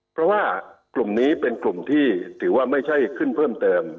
เพราะว่ากลุ่มนี้เป็นกลุ่มที่ถือว่าไม่ใช่ขึ้นเพิ่มเติม